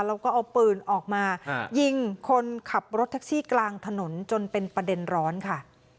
แล้วก็เอาปืนออกมายิงคนขับรถแท็กซี่กลางถนนจนเป็นประเด็นร้อนค่ะ